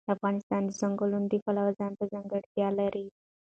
افغانستان د ځنګلونه د پلوه ځانته ځانګړتیا لري.